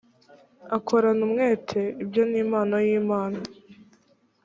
akorana umwete ibyo ni impano y imana